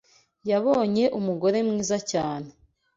yabonye umugore mwiza cyane